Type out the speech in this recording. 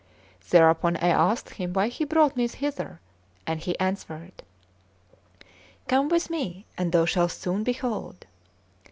Thereupon I asked him why he brought me hither, and he answered: "Come with me and thou shalt soon behold."